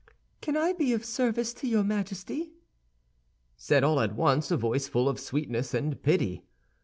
"Can I be of service to your Majesty?" said all at once a voice full of sweetness and pity.